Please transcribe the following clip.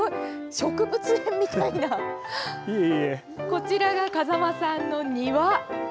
こちらが、風間さんの庭。